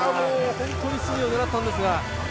本当に隅を狙ったんですが。